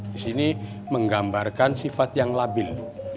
disini menggambarkan sifat yang labil